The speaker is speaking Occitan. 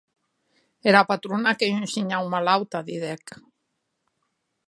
Era patrona qu’ei un shinhau malauta, didec.